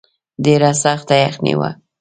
ډېره سخته یخني وه.